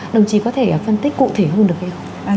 đồng chí có thể phân tích cụ thể hơn được hay không